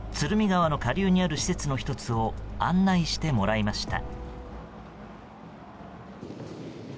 川の下流にある施設の１つを案内してもらいました。